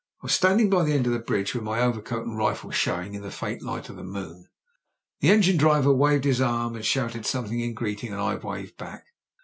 I was standing by the end of the bridge, with my overcoat and rifle showing in the faint light of the moon. The engine driver waved his arm and shouted something in greeting and I waved back.